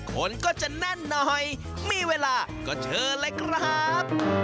คนก็จะแน่นหน่อยมีเวลาก็เชิญเลยครับ